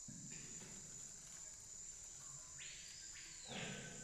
Během studia vysoké školy ve Vídni i v Praze byl činný ve vlasteneckých skupinách.